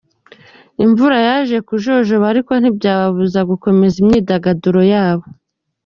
Imvura yaje kujojoba ariko ntibyababuza gukomeza imyidagaduro yabo.